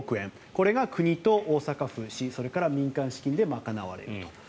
これが国と大阪府、市それから民間資金で賄われると。